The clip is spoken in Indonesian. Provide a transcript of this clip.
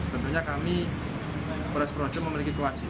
tentunya kami polres projo memiliki kewajiban